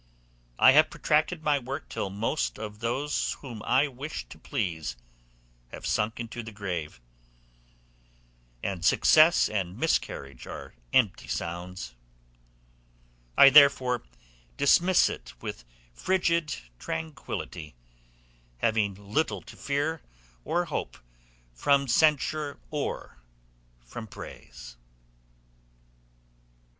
I have protracted my work till most of those whom I wished to please have sunk into the grave, and success and miscarriage are empty sounds: I therefore dismiss it with frigid tranquillity, having little to fear or hope from censure or from praise.